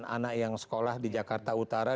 anak yang sekolah di jakarta utara